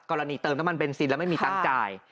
กรณีเติมตะมันเบนซินและไม่มีตังจ่าย